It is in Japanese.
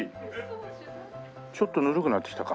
ちょっとぬるくなってきたか。